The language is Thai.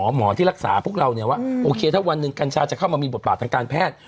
หมอที่รักษาพวกเราเนี่ยว่าโอเคถ้าวันหนึ่งกัญชาจะเข้ามามีบทบาททางการแพทย์